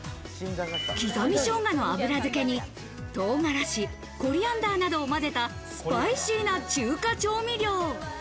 刻み生姜の油漬けに唐辛子、コリアンダーなどをまぜたスパイシーな中華調味料。